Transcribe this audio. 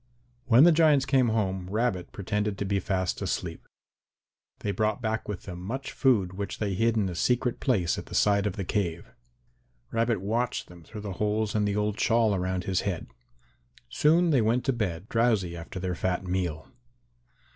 When the giants came home, Rabbit pretended to be fast asleep. They brought back with them much food which they hid in a secret place at the side of the cave. Rabbit watched them through the holes in the old shawl around his head. Soon they went to bed, drowsy after their fat meal.